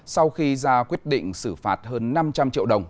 sau khi ra quyết định xử phạt hơn năm trăm linh triệu đồng